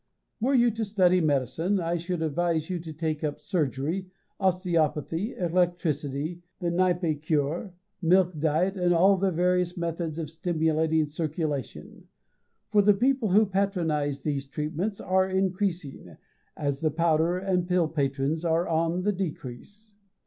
Were you to study medicine, I should advise you to take up surgery, osteopathy, electricity, the Kneippe Cure, milk diet, and all the various methods of stimulating circulation; for the people who patronize these treatments are increasing, as the powder and pill patrons are on the decrease.